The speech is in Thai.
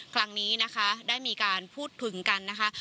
ครั้งนี้นะคะได้มีการพูดถึงกันนะคะ